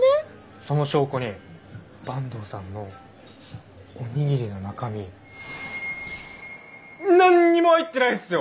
その証拠に坂東さんのおにぎりの中身何にも入ってないんすよ！